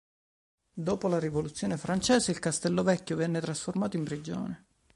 Dopo la rivoluzione francese il "Castello vecchio" venne trasformato in prigione.